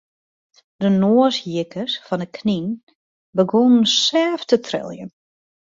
De noashierkes fan de knyn begûnen sêft te triljen.